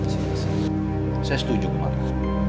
saya setuju kemau